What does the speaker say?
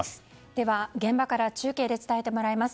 では現場から中継で伝えてもらいます。